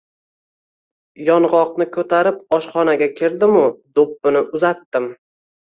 Yong‘oqni ko‘tarib oshxonaga kirdimu do‘ppini uzatdim.